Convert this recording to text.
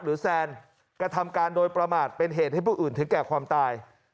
แซนกระทำการโดยประมาทเป็นเหตุให้ผู้อื่นถึงแก่ความตาย